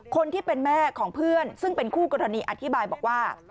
คนที่เป็นแม่ของเพื่อนซึ่งเป็นคู่กรณีอธิบายบอกว่า